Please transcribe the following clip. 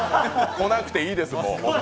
来なくていいです。